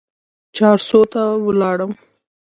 چارسو ته ولاړم.